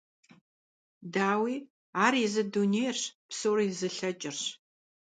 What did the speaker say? Дауи, ар езы дунейрщ, псори зылъэкӀырщ.